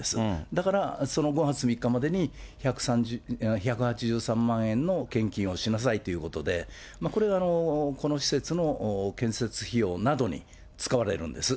だからその５月３日までに１８３万円の献金をしなさいということで、これがこの施設の建設費用などに使われるんです。